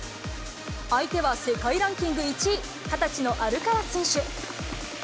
相手は世界ランキング１位、２０歳のアルカラス選手。